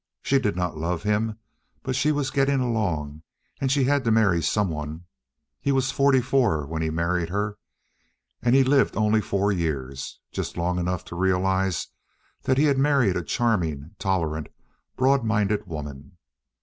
She did not love him, but she was getting along, and she had to marry some one. He was forty four when he married her, and he lived only four years—just long enough to realize that he had married a charming, tolerant, broad minded woman.